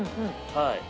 はい。